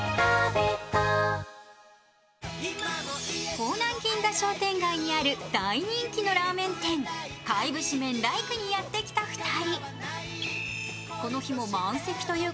方南銀座商店街にある大人気のラーメン店、貝節麺ライクにやって来た二人。